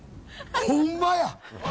ほんまや。